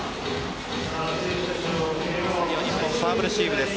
日本、サーブレシーブです。